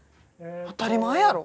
当たり前やろ。